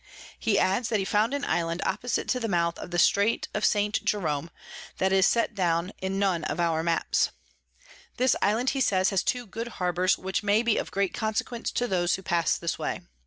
He adds, that he found an Island opposite to the Mouth of the Strait of St. Jerom, that is set down in none of our Maps. This Island, he says, has two good Harbours, which may be of great consequence to those who pass this way.